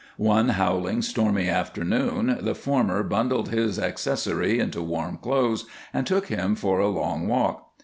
One howling, stormy afternoon the former bundled his accessory into warm clothes and took him for a long walk.